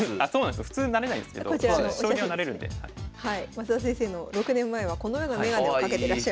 増田先生の６年前はこのような眼鏡をかけてらっしゃいました。